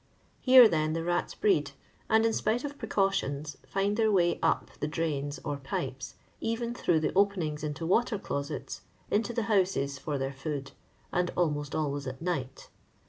Here, then, the rats breed, and, in spite of precautions, find their war up the drains or pipes, cren through the open ings into water closets, into the houses for tlieir food, nnd almost always at night.